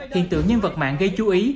hiện tượng nhân vật mạng gây chú ý